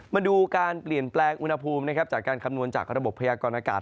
มาดูการเปลี่ยนแปลงอุณหภูมินะครับจากการคำนวณจากระบบพยากรณากาศ